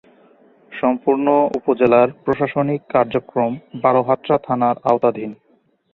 সম্পূর্ণ উপজেলার প্রশাসনিক কার্যক্রম বারহাট্টা থানার আওতাধীন।